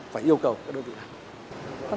phải yêu cầu các đơn vị nào